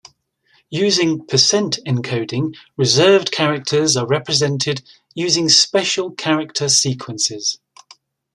Using percent-encoding, reserved characters are represented using special character sequences.